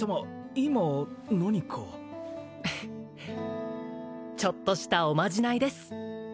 今何かちょっとしたおまじないです